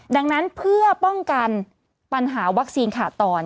ดังนั้นเพื่อป้องกันปัญหาวัคซีนขาดตอน